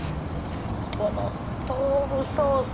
この豆腐ソース